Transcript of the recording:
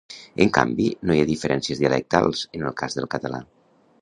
En canvi, no hi ha diferències dialectals, en el cas del català.